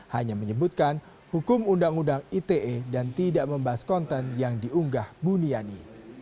hanya menyebutkan hukum undang undang ite dan tidak membahas konten yang diunggah buniani